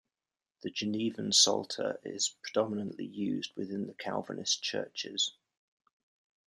The Genevan Psalter is predominantly used within the Calvinist churches.